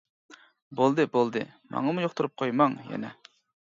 بولدى، بولدى، ماڭىمۇ يۇقتۇرۇپ قويماڭ يەنە.